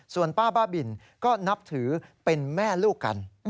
ส่วนป้าบ้าบินก็นับถือเป็นแม่ลูกกัน